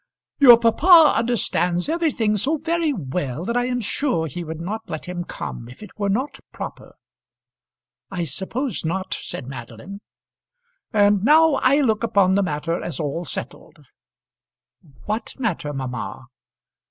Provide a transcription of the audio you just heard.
"Your papa understands everything so very well that I am sure he would not let him come if it were not proper." "I suppose not," said Madeline. "And now I look upon the matter as all settled." "What matter, mamma?"